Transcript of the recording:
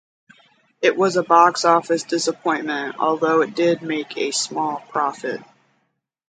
It was a box office disappointment although it did make a small profit.